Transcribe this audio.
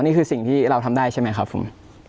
นี่คือสิ่งที่เราทำได้ใช่ไหมครับผม